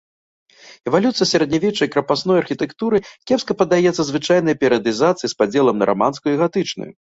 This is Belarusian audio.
Эвалюцыя сярэднявечнай крапасной архітэктуры кепска паддаецца звычайнай перыядызацыі з падзелам на раманскую і гатычную.